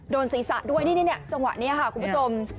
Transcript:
โดนศีรษะด้วยนี่จังหวะนี้ค่ะคุณผู้ชม